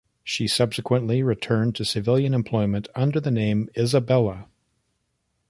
She subsequently returned to civilian employment under the name "Isabella".